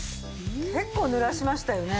結構ぬらしましたよね？